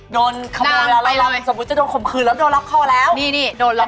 โดนขโมยไปแล้วสมมุติจะโดนขมขืนแล้วโดนล็อคคอแล้วนี่โดนล็อคคอ